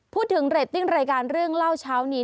เรตติ้งรายการเรื่องเล่าเช้านี้